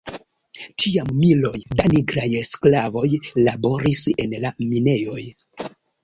Tiam miloj da nigraj sklavoj laboris en la minejoj.